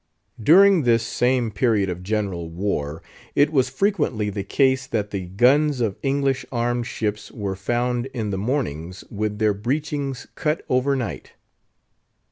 During this same period of general war, it was frequently the case that the guns of English armed ships were found in the mornings with their breechings cut over night.